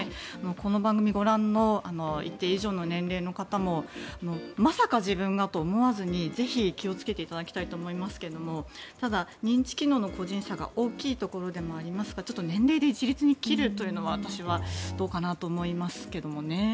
この番組をご覧の一定以上の年齢の方もまさか自分がと思わずにぜひ気をつけていただきたいと思いますけれどもただ、認知機能の個人差が大きいところでもありますからちょっと年齢で一律に切るというのは私はどうかなと思いますけどね。